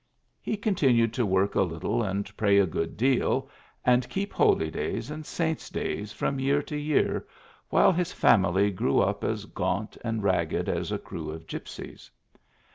^x^ He continued to work a little and pray a good deal, and keep holydays and saints days from year to year, while his family grew up as gaunt and ragged as a crew of gipsies.